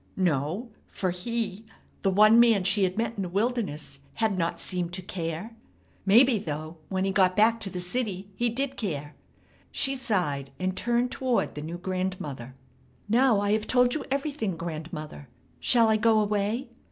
No, for he, the one man she had met in the wilderness, had not seemed to care. Maybe, though, when he got back to the city he did care. She sighed and turned toward the new grandmother. "Now I have told you everything, grandmother. Shall I go away?